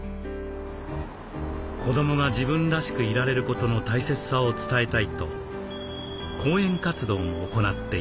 子どもが自分らしくいられることの大切さを伝えたいと講演活動も行っています。